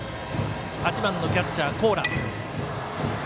８番のキャッチャー、高良。